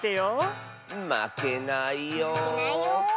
まけないよ。